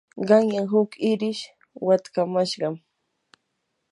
qanyan huk irish watkamashqam.